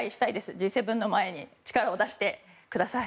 Ｇ７の前に力を出してください。